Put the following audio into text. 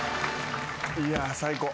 いや最高。